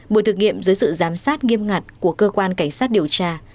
buổi thực nghiệm dưới sự giám sát nghiêm ngặt của cơ quan cảnh sát điều tra